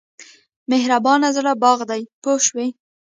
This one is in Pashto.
مهربان زړه باغ دی پوه شوې!.